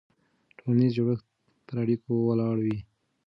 ټولنیز جوړښت پر اړیکو ولاړ وي.